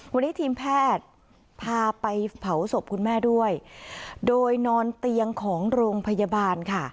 วันนี้ทีมแพทย์พาไปเผาศพคุณแม่ด้วยโดยนอนเตียงของโรงพยาบาลค่ะ